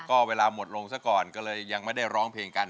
ก็เวลาหมดลงซะก่อนก็เลยยังไม่ได้ร้องเพลงกัน